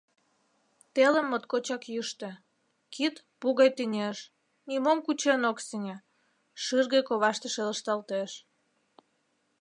Телым моткочак йӱштӧ, кид пу гай тӱҥеш, нимом кучен ок сеҥе, шӱргӧ коваште шелышталтеш.